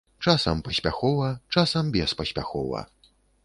Часам паспяхова, часам беспаспяхова.